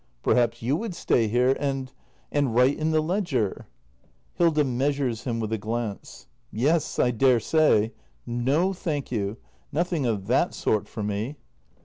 Perhaps you would stay here and — and write in the ledger ? Hilda. [Measures him with a glance.] Yes, I daresay! No, thank you — nothing of that sort for m e